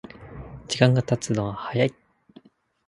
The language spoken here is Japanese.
時間がたつのは早い